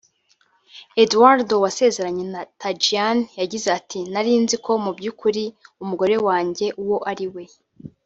Eduardo wasezeranye na Tagiane yagize ati" Nari nziko mu by'ukuri umugore wanjye uwo ariwe